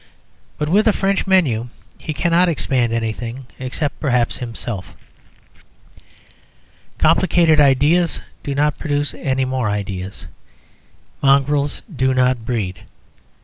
But with a French menu he cannot expand anything; except perhaps himself. Complicated ideas do not produce any more ideas. Mongrels do not breed.